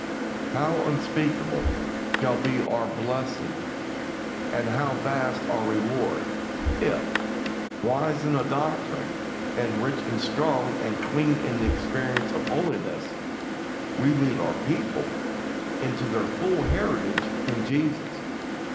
How unspeakable shall be our blessedness, and how vast our reward, if, wise in the doctrine, and rich and strong and clean in the experience of holiness, we lead our people into their full heritage in Jesus!